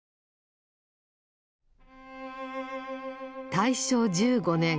大正１５年。